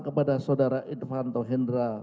kepada saudara irvan tohendro